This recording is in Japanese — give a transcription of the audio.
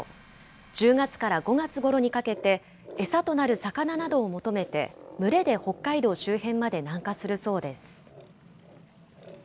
１０月から５月ごろにかけて、餌となる魚などを求めて、群れで北海道周辺まで南下するそうです。